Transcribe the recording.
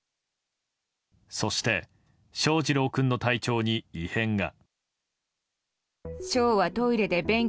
そして翔士郎君の体調に異変が。